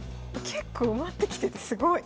結構埋まってきててすごい。